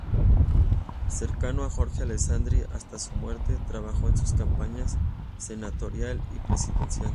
Cercano a Jorge Alessandri hasta su muerte, trabajó en sus campañas senatorial y presidencial.